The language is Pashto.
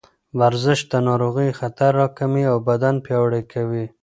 ورزش د ناروغیو خطر راکموي او بدن پیاوړی کوي.